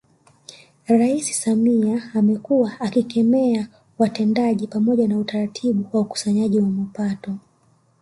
Rais Samia amekuwa akikemea watendaji pamoja na utaratibu wa ukusanyaji wa mapato